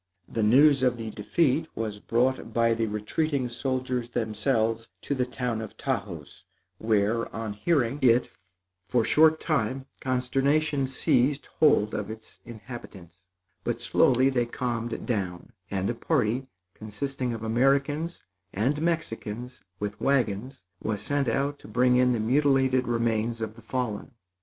The news of the defeat was brought by the retreating soldiers themselves to the town of Taos, where on hearing it, for short time, consternation seized hold of its inhabitants; but slowly they calmed down, and a party, consisting of Americans and Mexicans with wagons, was sent out to bring in the mutilated remains of the fallen.